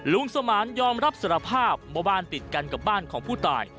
สมานยอมรับสารภาพว่าบ้านติดกันกับบ้านของผู้ตาย